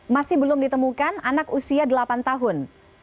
masih belum ditemukan anak usia delapan tahun